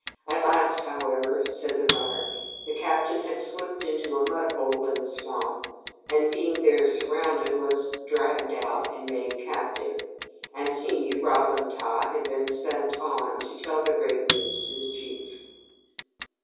At last, however," said the runner, "the 'captain' had slipped into a mud hole in the swamps, and, being there surrounded, was dragged out and made captive, and he, Ra bun ta, had been sent on to tell the great news to the chief."